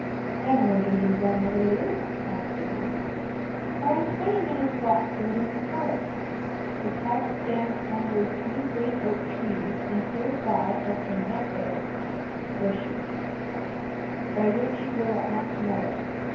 "And where does your grandmother live?" asked the Wolf. "Oh, quite twenty minutes walk further in the forest. The cottage stands under three great oak trees; and close by are some nut bushes, by which you will at once know it."